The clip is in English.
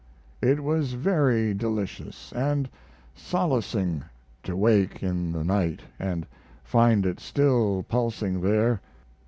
It was very delicious and solacing to wake in the night & find it still pulsing there.